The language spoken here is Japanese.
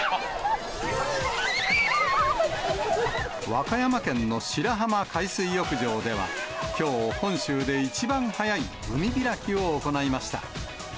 和歌山県の白浜海水浴場では、きょう、本州で一番早い海開きを行いました。